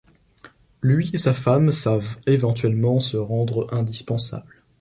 Lui et sa femme savent éventuellement se rendre indispensables.